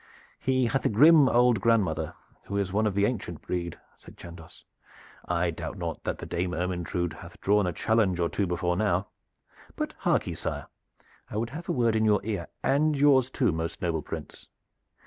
"He hath a grim old grandmother who is one of the ancient breed," said Chandos. "I doubt not that the Dame Ermyntrude hath drawn a challenge or two before now. But hark ye, sire, I would have a word in your ear and yours too, most noble Prince."